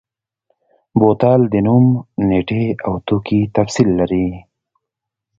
بوتل د نوم، نیټې او توکي تفصیل لري.